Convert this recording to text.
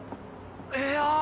いや！